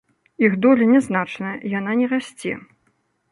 Іх доля нязначная, яна не расце.